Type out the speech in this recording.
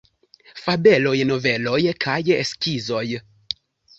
Fabeloj, Noveloj kaj Skizoj.